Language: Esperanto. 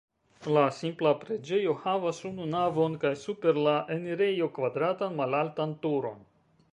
La simpla preĝejo havas unu navon kaj super la enirejo kvadratan malaltan turon.